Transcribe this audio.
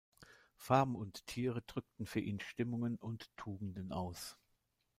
Farben und Tiere drückten für ihn Stimmungen und Tugenden aus.